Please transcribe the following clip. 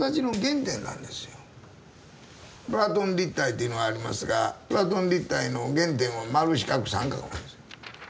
プラトン立体というのがありますがプラトン立体の原点は丸四角三角なんです。